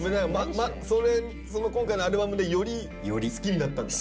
その今回のアルバムでより好きになったんだ？